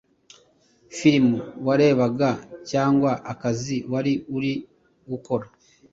film warebaga cyangwa akazi wari uri gukora